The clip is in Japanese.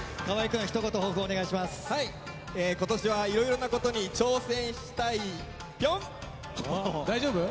はい、今年はいろいろなことに挑戦したいぴょん！